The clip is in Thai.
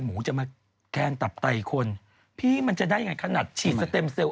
หมูจะมาแทนตับไตคนพี่มันจะได้ยังไงขนาดฉีดสเต็มเซลล